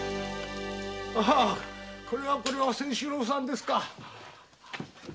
あこれはこれは清四郎さんですか。